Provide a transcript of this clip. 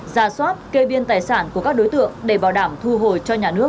ra soát kê biên tài sản của các đối tượng để bảo đảm thu hồi cho nhà nước